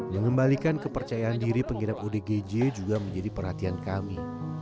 mengembalikan kepercayaan diri pengidap odgj juga menjadi perhatian kami